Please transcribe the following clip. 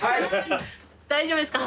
大丈夫ですか？